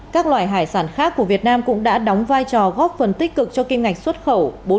các loại hải sản khác của việt nam cũng đã đóng vai trò góp phần tích cực cho kim ngạch xuất khẩu